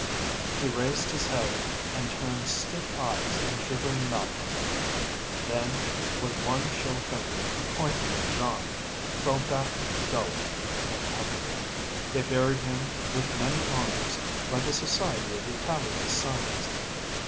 He raised his head, and turned stiff eyes and gibbering mouth on her; then, with one chill finger pointing at John, fell back dully and heavily. They buried him with many honours by the Society of Italia's Sons.